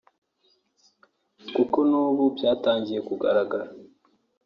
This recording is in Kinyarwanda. kuko n’ubu byatangiye kugaragara